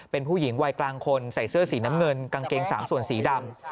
เป็นผู้หญิงวัยกลางคนใส่เสื้อสีน้ำเงินกางเกง๓ส่วนสีดำ